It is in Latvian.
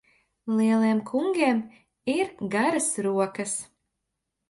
Lieliem kungiem ir garas rokas.